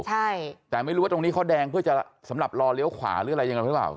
ใช่แต่ไม่รู้ว่าตรงนี้เขาแดงเพื่อจะสำหรับรอเลี้ยวขวาหรืออะไรยังไงหรือเปล่า